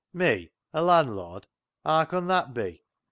" Me a landlord ! Haa con that be